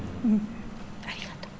ありがとう。